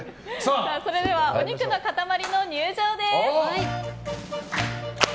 それではお肉の塊の入場です。